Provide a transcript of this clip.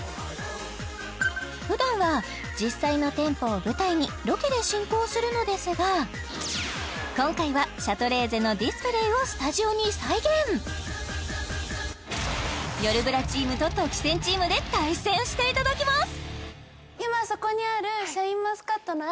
普段は実際の店舗を舞台にロケで進行するのですが今回はシャトレーゼのディスプレイをスタジオに再現よるブラチームととき宣チームで対戦していただきます